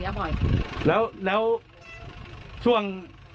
อย่าได้ยาวนะ